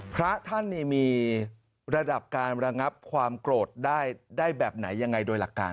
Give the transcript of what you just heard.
พระท่านมีระดับการระงับความโกรธได้แบบไหนยังไงโดยหลักการ